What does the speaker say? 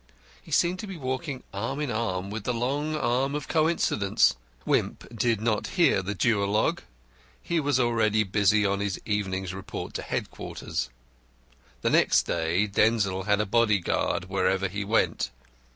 He seemed to be walking arm in arm with the long arm of coincidence. Wimp did not hear the duologue. He was already busy on his evening's report to headquarters. The next day Denzil had a body guard wherever he went.